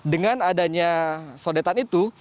dengan adanya sodetan itu